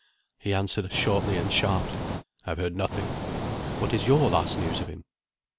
He answered shortly and sharply: "I have heard nothing. What is your last news of him?"